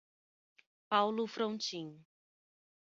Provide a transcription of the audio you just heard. Paulo Frontin